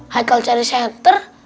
haikal cari center